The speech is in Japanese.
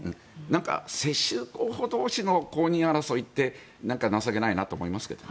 世襲候補同士の公認争いって情けないなと思いますけどね。